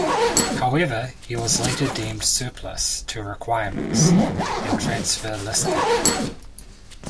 However, he was later deemed surplus to requirements and transfer listed.